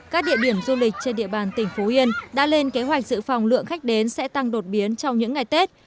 các địa điểm du lịch trên địa bàn tỉnh phú yên đã lên kế hoạch dự phòng lượng khách đến sẽ tăng đột biến trong những ngày tết